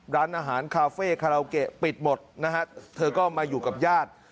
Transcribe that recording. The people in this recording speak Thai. ร้านอาหารคาเฟ่คาราโอเกะปิดหมดนะฮะเธอก็มาอยู่กับญาติ